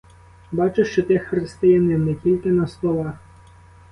Бачу, що ти християнин не тільки на словах.